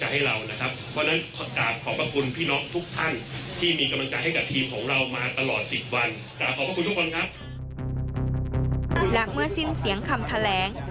และเมื่อสิ้นเสียงคำแถลง